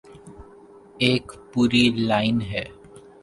ایک پوری لائن ہے۔